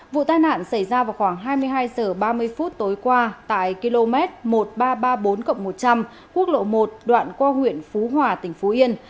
vụ tai nạn xảy ra vào khoảng hai mươi hai h ba mươi phút tối qua tại km một nghìn ba trăm ba mươi bốn một trăm linh quốc lộ một đoạn qua huyện phú hòa tỉnh phú yên